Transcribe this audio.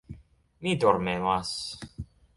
Mi dormemas.